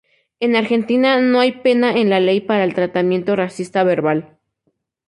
En Argentina no hay pena en la ley para el tratamiento racista verbal.